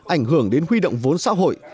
ảnh hưởng đến huy động vốn xã hội